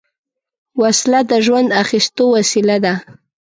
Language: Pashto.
وسله د ژوند اخیستو وسیله ده